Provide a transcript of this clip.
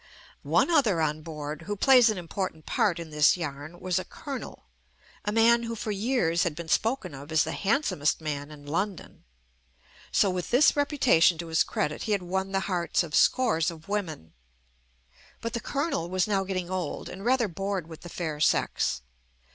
One other on board, who plays an important part in this yarn, was a Colonel — a man who for years had been spoken of as the handsomest man in London. So with this reputation to his credit he had won the hearts of scores of wom en. But the Colonel was now getting old and rather bored with the fair sex.